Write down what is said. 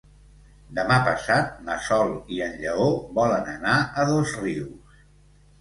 Demà passat na Sol i en Lleó volen anar a Dosrius.